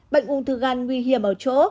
bệnh uống thư gan nguy hiểm ở chỗ